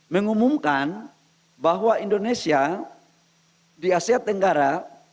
mengumumkan bahwa indonesia di asia tenggara